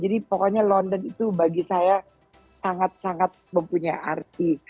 jadi pokoknya london itu bagi saya sangat sangat mempunyai arti